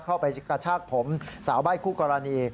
เข้าไปกระชากผมสาวใบ้คู่กรณี